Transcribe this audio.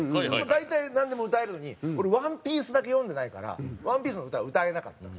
大体なんでも歌えるのに俺『ＯＮＥＰＩＥＣＥ』だけ読んでないから『ワンピース』の歌が歌えなかったんですよ。